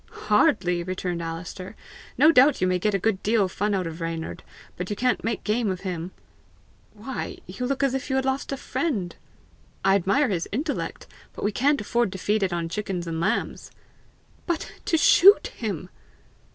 "Hardly!" returned Alister. "No doubt you may get a good deal of fun out of Reynard, but you can't make game of him! Why you look as if you had lost a friend! I admire his intellect, but we can't afford to feed it on chickens and lambs." "But to SHOOT him!"